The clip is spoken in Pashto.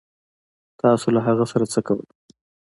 تاسو له هغه سره څه کول